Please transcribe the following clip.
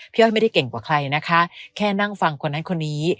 อ้อยไม่ได้เก่งกว่าใครนะคะแค่นั่งฟังคนนั้นคนนี้